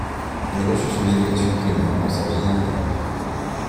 Il reçut son éducation primaire dans sa ville natale.